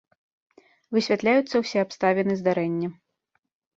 Высвятляюцца ўсе абставіны здарэння.